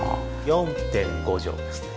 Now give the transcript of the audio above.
４．５畳ですね。